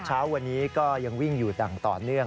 เช้าวันนี้ก็ยังวิ่งอยู่ดั่งต่อเนื่อง